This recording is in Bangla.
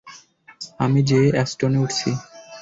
আমি যেয়ে এস্টনে উঠছি।